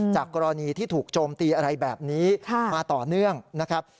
จากกรณีที่ถูกโจมตีอะไรแบบนี้มาต่อเนื่องนะครับ